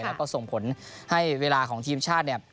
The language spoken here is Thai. แล้วก็ส่งผลให้เวลาของทีมชาติเนี่ย